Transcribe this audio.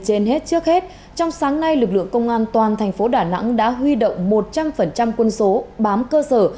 trên hết trước hết trong sáng nay lực lượng công an toàn thành phố đà nẵng đã huy động một trăm linh quân số bám cơ sở